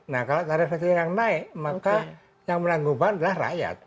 nah kalau tarif listrik yang naik maka yang menanggungkan adalah rakyat